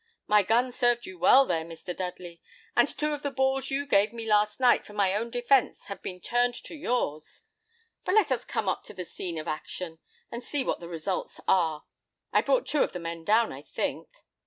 My gun served you well there, Mr. Dudley, and two of the balls you gave me last night for my own defence have been turned to yours. But let us come up to the scene of action, and see what the results are. I brought two of the men down, I think."